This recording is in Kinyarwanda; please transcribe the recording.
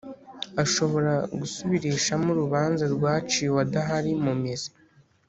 Ashobora gusubirishamo urubanza rwaciwe adahari mu mizi